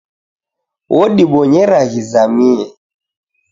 Wodibonyera ghizamie.